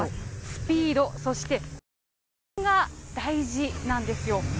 スピード、そして姿勢が大事なんですよ。